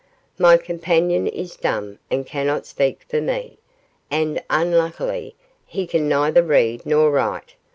My companion is dumb and cannot speak for me, and, unluckily, he can neither read nor write.